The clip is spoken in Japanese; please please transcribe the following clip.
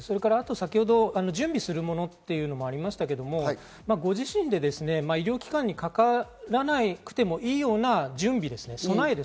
先ほど準備するものというのもありましたが、ご自身で医療機関にかからなくてもいいような準備ですね、備え。